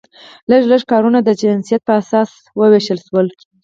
لږ لږ کارونه د جنسیت په اساس وویشل شول.